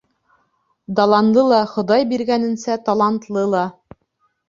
Даланлы ла, Хоҙай биргәненсә талантлы ла.